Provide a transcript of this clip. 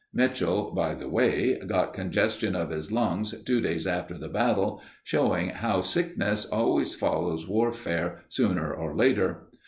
Mitchell, by the way, got congestion of his lungs two days after the battle, showing how sickness always follows warfare sooner or later.